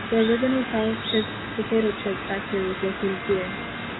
The original Charles Chips potato chip factory was located here.